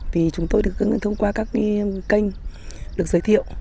vì chúng tôi được thông qua các kênh được giới thiệu